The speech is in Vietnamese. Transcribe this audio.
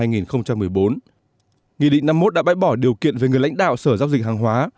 nghị định năm mươi một đã bãi bỏ điều kiện về người lãnh đạo sở giao dịch hàng hóa